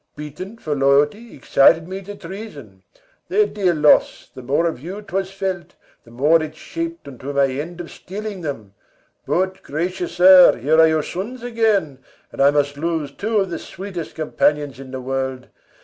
Beaten for loyalty Excited me to treason. Their dear loss, The more of you 'twas felt, the more it shap'd Unto my end of stealing them. But, gracious sir, Here are your sons again, and I must lose Two of the sweet'st companions in the world.